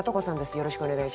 よろしくお願いします。